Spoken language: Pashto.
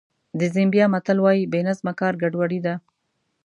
د زیمبیا متل وایي بې نظمه کار ګډوډي ده.